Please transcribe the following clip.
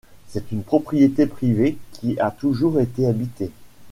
C'est une propriété privée qui a toujours été habitée.